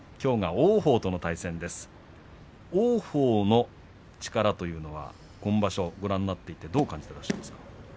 王鵬の力というのは今場所ご覧になっていてどう感じていますか。